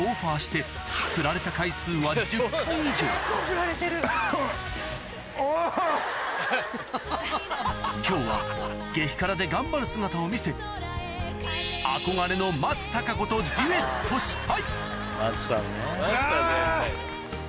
これまで女性アーティストとの今日は激辛で頑張る姿を見せ憧れの松たか子とデュエットしたい！